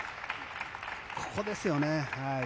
ここですよね。